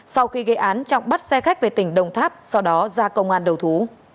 sau khi gây án trọng bắt xe khách về tỉnh đồng tháp sau đó ra công an đầu thú